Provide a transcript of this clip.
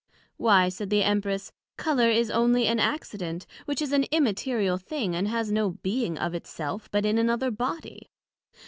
Why, said the Empress, Colour is onely an accident, which is an immaterial thing, and has no being of it self, but in another body.